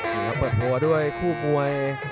และเปิดหัวด้วยคู่มวย